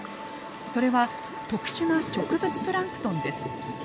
それは特殊な植物プランクトンです。